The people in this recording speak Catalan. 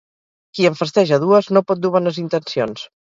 Qui en festeja dues no pot dur bones intencions.